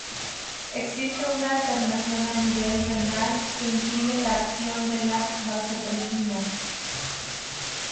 Existe una alteración a nivel renal que impide la acción de la vasopresina.